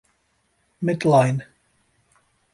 Midline.